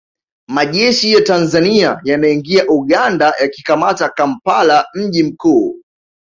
Majeshi ya Tanzania yanaingia Uganda yakikamata Kampala mji mkuu